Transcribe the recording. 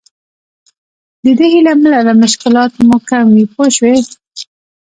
د دې هیله مه لره مشکلات مو کم وي پوه شوې!.